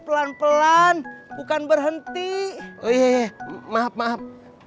pelan pelan bukan berhenti oh iya maaf maaf